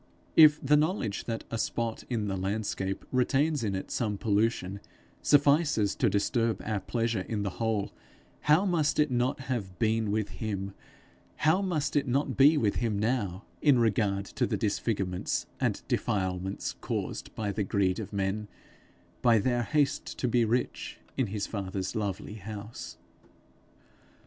If the knowledge that a spot in the landscape retains in it some pollution, suffices to disturb our pleasure in the whole, how must it not have been with him, how must it not be with him now, in regard to the disfigurements and defilements caused by the greed of men, by their haste to be rich, in his father's lovely house!